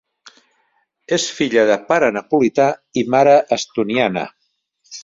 És filla de pare napolità i mare estoniana.